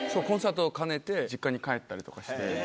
コンサートを兼ねて実家に帰ったりとかして。